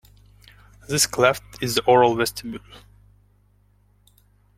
This cleft is the oral vestibule.